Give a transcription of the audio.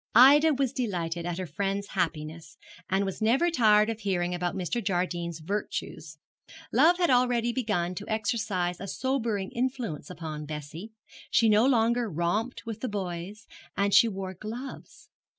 Ida was delighted at her friend's happiness, and was never tired of hearing about Mr. Jardine's virtues. Love had already begun to exercise a sobering influence upon Bessie. She no longer romped with the boys, and she wore gloves.